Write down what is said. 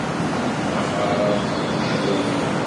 Aɣaref d bu ccwami.